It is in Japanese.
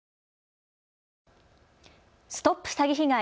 ＳＴＯＰ詐欺被害！